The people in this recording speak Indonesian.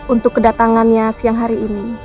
untuk kedatangannya siang hari ini